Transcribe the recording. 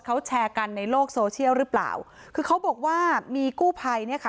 เขาแชร์กันในโลกโซเชียลหรือเปล่าคือเขาบอกว่ามีกู้ภัยเนี่ยค่ะ